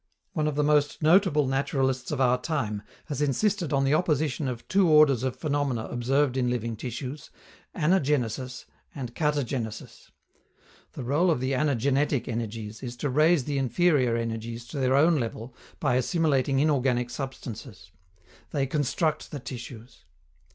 One of the most notable naturalists of our time has insisted on the opposition of two orders of phenomena observed in living tissues, anagenesis and katagenesis. The rôle of the anagenetic energies is to raise the inferior energies to their own level by assimilating inorganic substances. They construct the tissues.